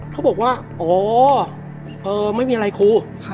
เขาบอกว่าอ๋อไม่มีอะไรครู